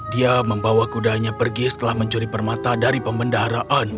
dia membawa kudanya pergi setelah mencuri permata dari pembendaraan